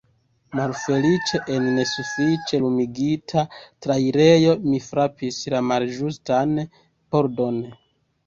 Malfeliĉe en nesufiĉe lumigita trairejo mi frapis la malĝustan pordon.